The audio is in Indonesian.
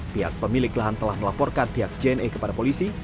pihak pemilik lahan telah melaporkan pihak jne kepada polisi